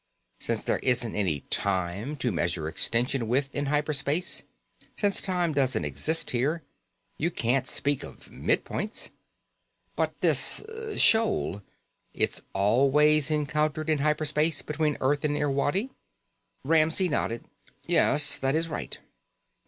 Since there isn't any time to measure extension with in hyper space, since time doesn't exist here, you can't speak of mid points." "But this shoal. It's always encountered in hyper space between Earth and Irwadi?" Ramsey nodded. "Yes, that is right."